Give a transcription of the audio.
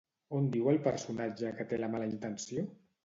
On diu el personatge que té la mala intenció?